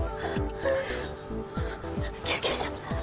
救急車！